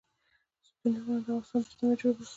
ستوني غرونه د افغانستان د اجتماعي جوړښت برخه ده.